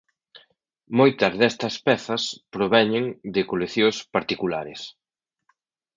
Moitas destas pezas proveñen de coleccións particulares.